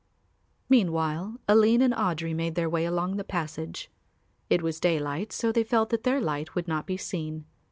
Meanwhile Aline and Audry made their way along the passage. It was daylight so they felt that their light would not be seen.